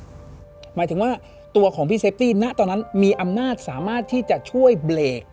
หมายถึงว่าตัวของพี่เซฟตี้ณตอนนั้นมีอำนาจสามารถที่จะช่วยเบรก